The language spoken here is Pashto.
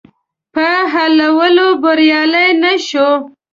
په حلولو بریالی نه شو.